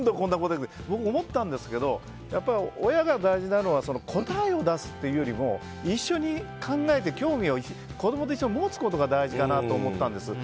僕、思ったんですけど親が大事なのは答えを出すというよりも一緒に考えて子供と一緒に興味を持つことが大事だなと思ったんです。